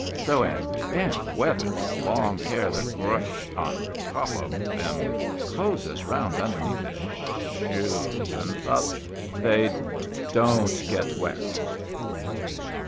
So in damp weather the long hair that growsh on top of them' closes round underneath his sholesh, and thush they don't get wet."